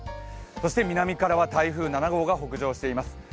そして南からは台風７号が北上しています。